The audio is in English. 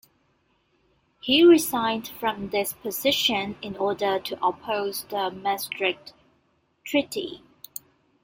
He resigned from this position in order to oppose the Maastricht Treaty.